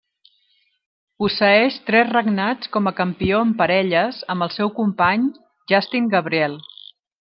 Posseeix tres regnats com a Campió en Parelles amb el seu company Justin Gabriel.